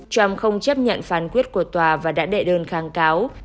trump không chấp nhận phán quyết của tòa và đã đệ đơn kháng cáo